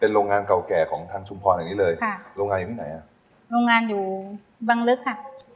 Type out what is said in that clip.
โรงงานเก่าแก่ของทางชุมพรอย่างนี้เลยค่ะโรงงานอยู่ที่ไหนอ่ะโรงงานอยู่บังลึกค่ะ